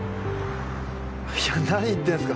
いや何言ってんですか？